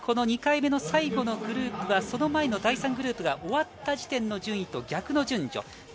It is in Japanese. ２回目の最後のグループはその前の第３グループが終わった時点での順位と逆の順序。